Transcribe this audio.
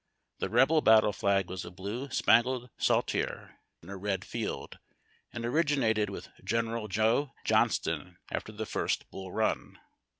The Rebel battle flag was a blue spangled saltier in a red field, and originated with General Joe John ston after the first Bull Run.